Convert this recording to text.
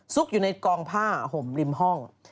อยู่ในกองผ้าห่มริมห้อง